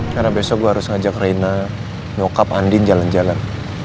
karena besok gue harus ngajak reina nyokap andin jalan jalan